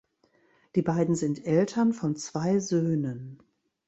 Die beiden sind Eltern von zwei Söhnen.